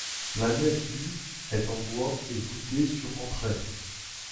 La nef du est en bois et voutée sur entraits.